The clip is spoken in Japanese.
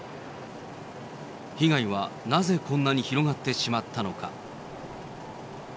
被害はなぜこんなに広がってしまったのか。